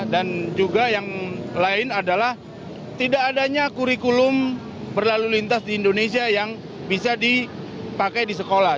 dan juga yang lain adalah tidak adanya kurikulum berlalu lintas di indonesia yang bisa dipakai di sekolah